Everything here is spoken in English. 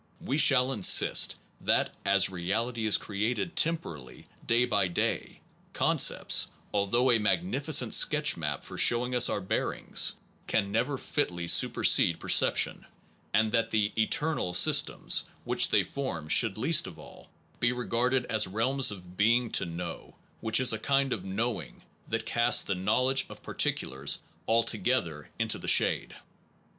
We shall insist that, as reality is created temporally day by day, concepts, although a magnificent sketch map for showing us our bearings, can never fitly supersede perception, and that the eter nal systems w r hich they form should least of all be regarded as realms of being to know which is a kind of knowing that casts the know ledge of particulars altogether into the shade.